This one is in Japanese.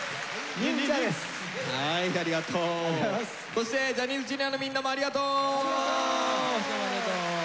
そしてジャニーズＪｒ．のみんなもありがとう！